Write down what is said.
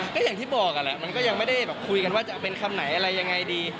ก็อย่างที่บอกแหละมันก็ยังไม่ได้แบบคุยกันว่าจะเป็นคำไหนอะไรยังไงดี